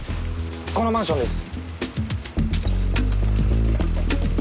このマンションです。